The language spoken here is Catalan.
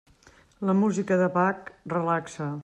La música de Bach relaxa.